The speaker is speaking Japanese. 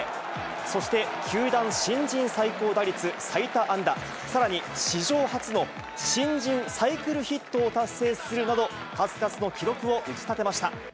そして球団新人最高打率、最多安打、さらに史上初の新人サイクルヒットを達成するなど、数々の記録を打ち立てました。